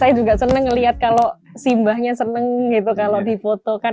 saya juga senang melihat kalau simbahnya senang gitu kalau dipotokan